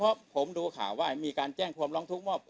เพราะผมดูข่าวว่ามีการแจ้งความร้องทุกข์มอบ